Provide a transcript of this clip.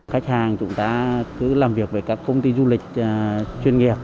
khách hàng chúng ta cứ làm việc với các công ty du lịch chuyên nghiệp